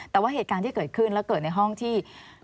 แต่ว่าเหตุการณ์ที่เกิดขึ้นแล้วเกิดในห้องที่